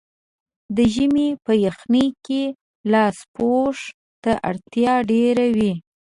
د ژمي په یخنۍ کې لاسپوښو ته اړتیا ډېره وي.